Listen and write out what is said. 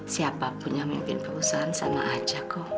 siapapun yang memimpin perusahaan sama aja kok